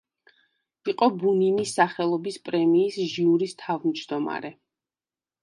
იყო ბუნინის სახელობის პრემიის ჟიურის თავმჯდომარე.